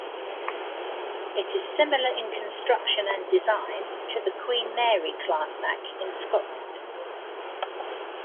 It is similar in construction and design to the Queen Mary Clarsach in Scotland.